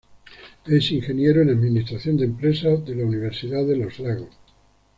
Es ingeniero en administración de empresas de la Universidad de Los Lagos.